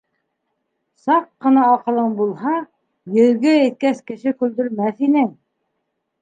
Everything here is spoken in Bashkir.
Саҡ ҡына аҡылың булһа, йөҙгә еткәс кеше көлдөрмәҫ инең!